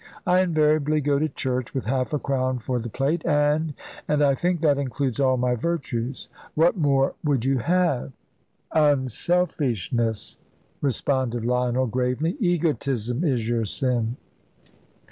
I invariably go to church, with half a crown for the plate; and and I think that includes all my virtues. What more would you have?" "Unselfishness," responded Lionel, gravely; "egotism is your sin."